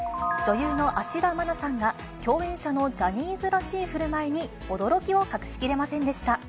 女優の芦田愛菜さんが、共演者のジャニーズらしいふるまいに、驚きを隠しきれませんでした。